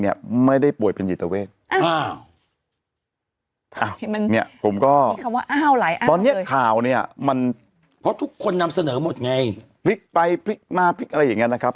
นำเสนอหมดไงพลิกไปพลิกมาพลิกอะไรอย่างเงี้ยนะครับ